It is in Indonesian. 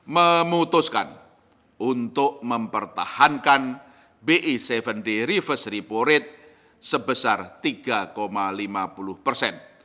memutuskan untuk mempertahankan bi tujuh day reverse repo rate sebesar tiga lima puluh persen